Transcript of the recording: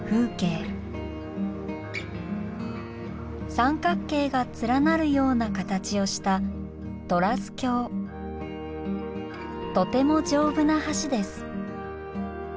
三角形が連なるような形をしたとてもじょうぶな橋です。